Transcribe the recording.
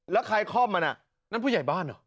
แล้วใครคล่อมมันนั่นผู้ใหญ่บ้านเหรอ